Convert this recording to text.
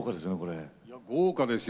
豪華ですよ。